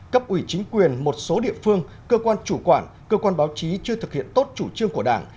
cấp ủy chính quyền một số địa phương cơ quan chủ quản cơ quan báo chí chưa thực hiện tốt chủ trương của đảng